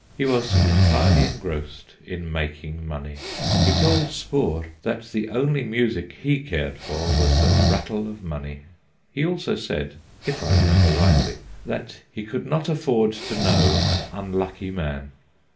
He was entirely engrossed in making money. He told Spohr that the only music he cared for was the rattle of money. He also said (if I remember rightly) that he could not afford to know an unlucky man.